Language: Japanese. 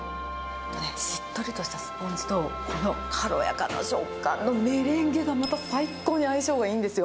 しっとりとしたスポンジと、この軽やかな食感のメレンゲが、また最高に相性がいいんですよ。